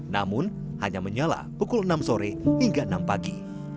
namun hanya menyala pukul enam sore hingga enam pagi